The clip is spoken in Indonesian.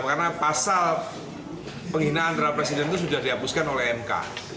karena pasal penghinaan terhadap presiden itu sudah dihapuskan oleh mk